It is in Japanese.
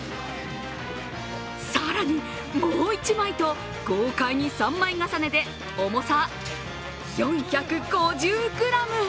更にもう１枚と、豪快に３枚重ねで重さ４５９ｇ。